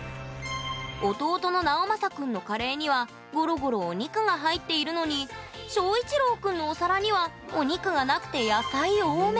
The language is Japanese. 弟の直将くんのカレーにはゴロゴロお肉が入っているのに翔一郎くんのお皿にはお肉がなくて野菜多め！